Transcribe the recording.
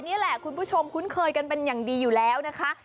นี่แหละคุณผู้ชมคุ้นเคยกันเป็นอย่างดีอยู่แล้วนะคะ